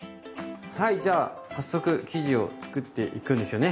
はいじゃあ早速生地を作っていくんですよね？